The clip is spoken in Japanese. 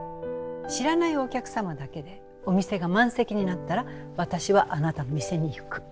知らないお客様だけでお店が満席になったら私はあなたの店に行く。